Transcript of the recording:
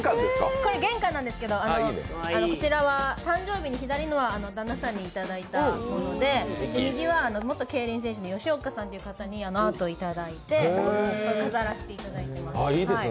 これは玄関ですけど、左のは誕生日に旦那さんにいただいたもので、右は元競輪選手の方にアート、いただいて飾らせていただています。